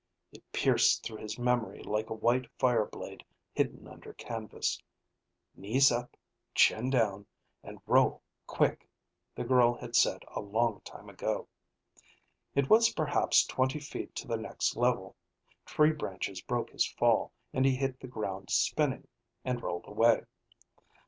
(It pierced through his memory like a white fire blade hidden under canvas: "... knees up, chin down, and roll quick," the girl had said a long time ago.) It was perhaps twenty feet to the next level. Tree branches broke his fall and he hit the ground spinning, and rolled away.